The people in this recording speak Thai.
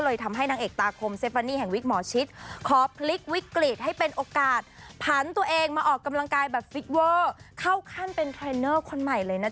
ทำให้นางเอกตาคมเซฟปานีแห่งวิกหมอชิดขอพลิกวิกฤตให้เป็นโอกาสผันตัวเองมาออกกำลังกายแบบฟิตเวอร์เข้าขั้นเป็นเทรนเนอร์คนใหม่เลยนะคะ